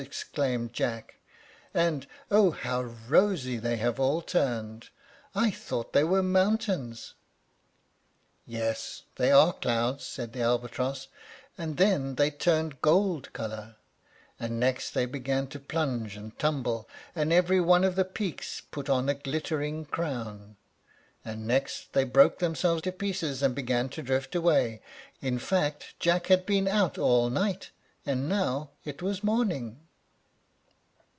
exclaimed Jack; "and O how rosy they have all turned! I thought they were mountains." "Yes, they are clouds," said the albatross; and then they turned gold color; and next they began to plunge and tumble, and every one of the peaks put on a glittering crown; and next they broke themselves to pieces, and began to drift away. In fact, Jack had been out all night, and now it was morning.